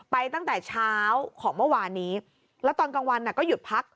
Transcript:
ตั้งแต่เช้าของเมื่อวานนี้แล้วตอนกลางวันก็หยุดพัก